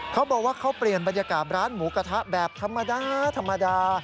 เขาบอกว่าเขาเปลี่ยนบรรยากาศร้านหมูกระทะแบบธรรมดาธรรมดา